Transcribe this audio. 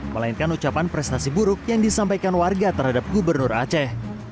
melainkan ucapan prestasi buruk yang disampaikan warga terhadap gubernur aceh